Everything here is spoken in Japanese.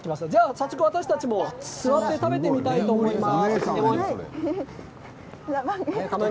早速、私たちも座って食べてみたいと思います。